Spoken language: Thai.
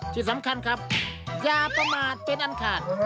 ที่สำคัญครับอย่าประมาทเป็นอันขาด